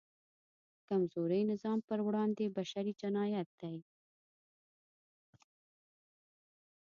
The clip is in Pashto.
د کمزوري نظام پر وړاندې بشری جنایت دی.